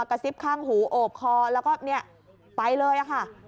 กระซิบข้างหูโอบคอแล้วก็เนี่ยไปเลยค่ะ